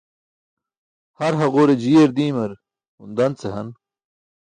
Har haġure jiiyar diimar hun dan ce han.